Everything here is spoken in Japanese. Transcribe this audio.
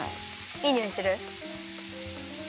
いいにおいする？